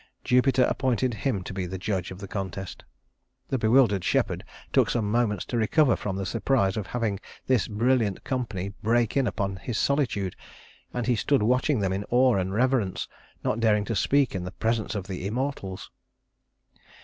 Jupiter appointed him to be the judge of the contest. The bewildered shepherd took some moments to recover from the surprise of having this brilliant company break in upon his solitude; and he stood watching them in awe and reverence, not daring to speak in the presence of the immortals.